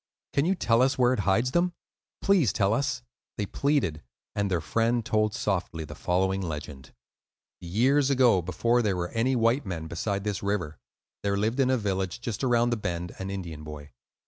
"Can you tell us where it hides them? Please tell us," they pleaded; and their friend told softly the following legend:— Years ago, before there were any white men beside this river, there lived in a village just around the bend an Indian boy.